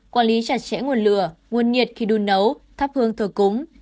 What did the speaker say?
quản lý chặt chẽ nguồn lửa nguồn nhiệt khi đun nấu thắp hương thờ cúng